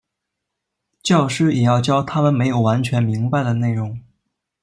教师也要教他们没有完全明白的内容。